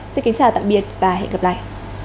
xin kính chào tạm biệt và hẹn gặp lại